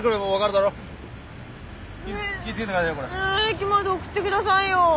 駅まで送ってくださいよ。